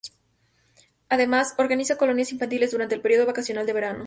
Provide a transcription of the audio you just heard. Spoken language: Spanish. Además, organiza colonias infantiles durante el periodo vacacional de verano.